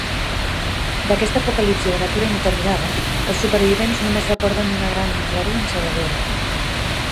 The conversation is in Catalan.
D’aquesta apocalipsi de natura indeterminada, els supervivents només recorden una gran claror encegadora.